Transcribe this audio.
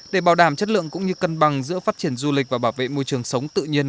để bảo đảm chất lượng cũng như cân bằng giữa phát triển du lịch và bảo vệ môi trường sống tự nhiên